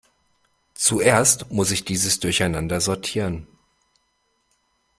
Zuerst muss ich dieses Durcheinander sortieren.